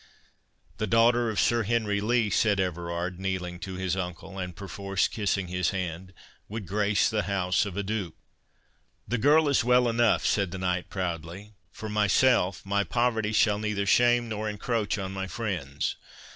"The daughter of Sir Henry Lee," said Everard, kneeling to his uncle, and perforce kissing his hand, "would grace the house of a duke." "The girl is well enough," said the knight proudly; "for myself, my poverty shall neither shame nor encroach on my friends.